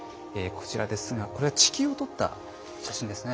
こちらですがこれは地球を撮った写真ですね。